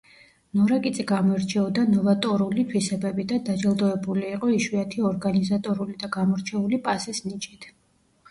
ნორაკიძე გამოირჩეოდა ნოვატორული თვისებებით და დაჯილდოებული იყო იშვიათი ორგანიზატორული და გამორჩეული პასის ნიჭით.